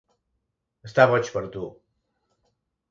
Està boig per tu.